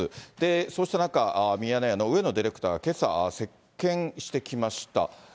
そうした中、ミヤネ屋の上野ディレクターがけさ接見してきました。